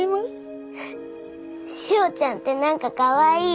しおちゃんって何かかわいい！